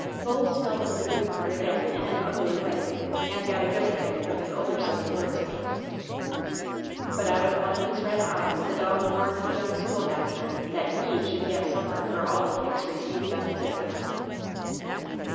Bull smelled of the new comer again in an ugly way, and got a good kick from the older son for his pains. But out of one of his red eyes the dog warned the young school master that he should yet suffer for all kicks received on his account.